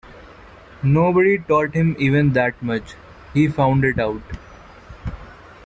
Nobody taught him even that much; he found it out.